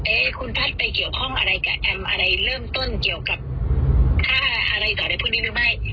คุณพัฒน์ไปเกี่ยวข้องอะไรกับแอมอะไรเริ่มต้นเกี่ยวกับค่าอะไรต่ออะไรพวกนี้หรือไม่